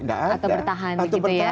enggak ada atau bertahan begitu ya